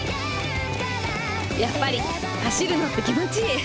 やっぱり走るのって気持ちいい！